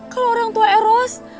kalau orang tua eros